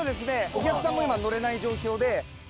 お客さんも今乗れない状況で。